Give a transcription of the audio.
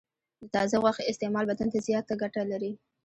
د تازه غوښې استعمال بدن ته زیاته ګټه لري.